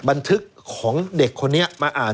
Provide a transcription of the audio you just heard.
บันทึกของเด็กคนนี้มาอ่าน